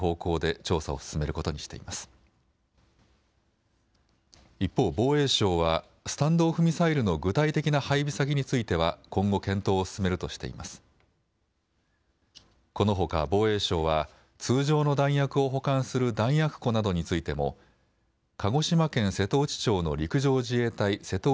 このほか防衛省は通常の弾薬を保管する弾薬庫などについても鹿児島県瀬戸内町の陸上自衛隊瀬戸内